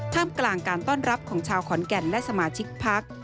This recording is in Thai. กลางการต้อนรับของชาวขอนแก่นและสมาชิกพัก